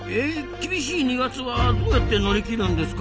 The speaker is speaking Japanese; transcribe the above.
厳しい２月はどうやって乗り切るんですか？